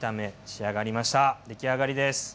出来上がりです。